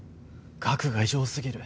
額が異常すぎる。